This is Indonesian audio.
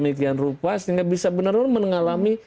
demikian rupa sehingga bisa benar benar mengalami